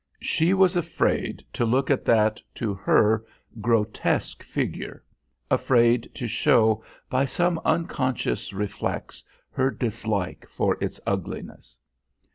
She was afraid to look at that, to her, grotesque figure, afraid to show by some unconscious reflex her dislike for its ugliness.